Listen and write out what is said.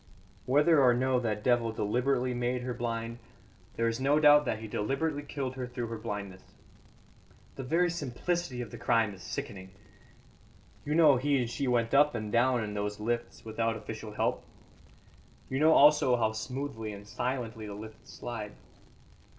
"Whether or no that devil deliberately made her blind, there is no doubt that he deliberately killed her through her blindness. The very simplicity of the crime is sickening. You know he and she went up and down in those lifts without official help; you know also how smoothly and silently the lifts slide.